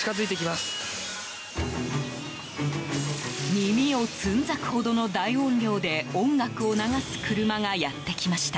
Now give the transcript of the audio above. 耳をつんざくほどの大音量で音楽を流す車がやってきました。